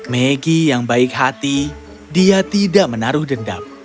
maggie yang baik hati dia tidak menaruh dendam